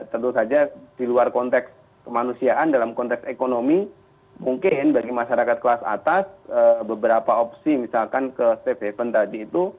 tentu saja di luar konteks kemanusiaan dalam konteks ekonomi mungkin bagi masyarakat kelas atas beberapa opsi misalkan ke safe haven tadi itu